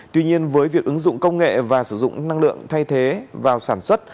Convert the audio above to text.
tuy nhiên với việc ứng dụng công nghệ và sử dụng năng lượng thay thế vào sản xuất